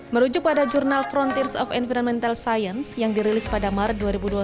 merujuk pada jurnal frontiers of environmental science yang dirilis pada maret dua ribu dua puluh satu